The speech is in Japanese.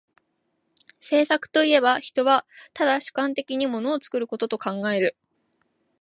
製作といえば、人は唯主観的に物を作ることと考える。